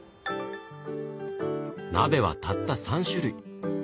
鍋はたった３種類。